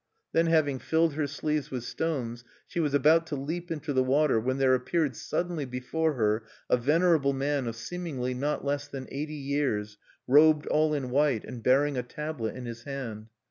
Then, having filled her sleeves with stones, she was about to leap into the water, when there appeared suddenly before her a venerable man of seemingly not less than eighty years, robed all in white, and bearing a tablet in his hand.